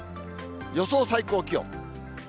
予想最高気温。